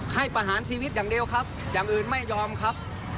ประหารชีวิตอย่างเดียวครับอย่างอื่นไม่ยอมครับ